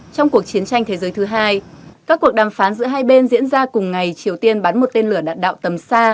trong cuộc chiến tranh thế giới thứ hai các cuộc đàm phán giữa hai bên diễn ra cùng ngày triều tiên bắn một tên lửa đạn đạo tầm xa